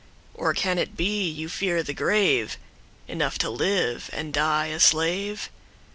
Or can it be you fear the graveEnough to live and die a slave?